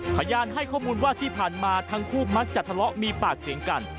พยานให้ข้อมูลว่าที่ผ่านมาทั้งคู่มักจะทะเลาะมีปากเสียงกัน